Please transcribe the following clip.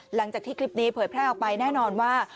หลังจากที่คลิปนี้เผยแพร่ออกไปแน่นอนว่า